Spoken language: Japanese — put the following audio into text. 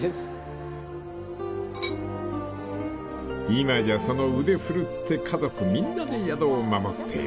［今じゃその腕振るって家族みんなで宿を守っている］